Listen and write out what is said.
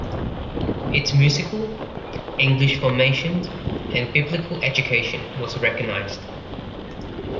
Its musical, English formation and Biblical education was recognised.